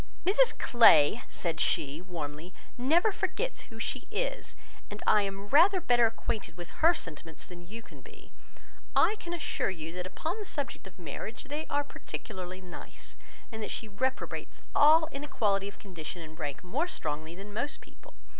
"Mrs Clay," said she, warmly, "never forgets who she is; and as I am rather better acquainted with her sentiments than you can be, I can assure you, that upon the subject of marriage they are particularly nice, and that she reprobates all inequality of condition and rank more strongly than most people.